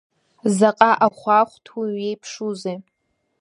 Заҟа ахәаахәҭҩы уиеиԥшузеи!